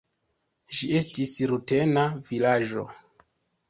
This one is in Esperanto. Ĝi estis rutena vilaĝo.